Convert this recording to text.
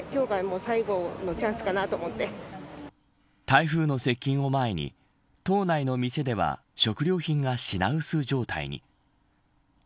台風の接近を前に島内の店では食料品が品薄状態に。